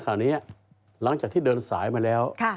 ออนาคตอีกไกล